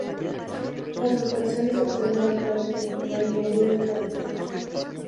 En sus paisajes se observan influencias de Giovanni Bellini y Perugino.